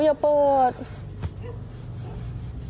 ทางนี้